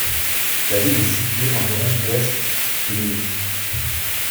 La ville est située environ ouest de Munich.